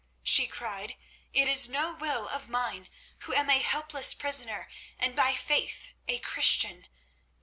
she cried. "It is no will of mine, who am a helpless prisoner and by faith a Christian.